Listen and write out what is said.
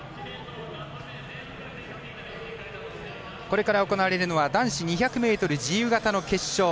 これから行われるのは男子２００ｍ自由形の決勝。